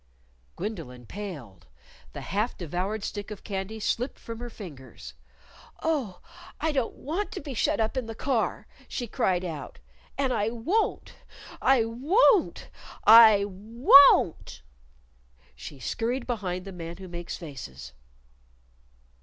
Gwendolyn paled. The half devoured stick of candy slipped from her fingers. "Oh, I don't want to be shut up in the car!" she cried out. "And I won't! I won't! I WON'T!" She scurried behind the Man Who Makes Faces.